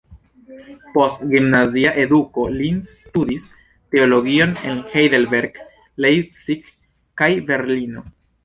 Post gimnazia eduko li studis teologion en Heidelberg, Leipzig kaj Berlino.